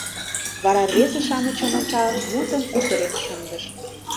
Вара рвезе-шамычым ончалын, мутым удырен шындыш.